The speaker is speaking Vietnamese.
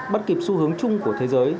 bắt kịp xu hướng chung của thế giới